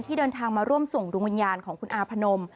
เดินทางมาร่วมส่งดวงวิญญาณของคุณอาพนม